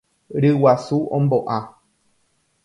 Ryguasu ombo'a.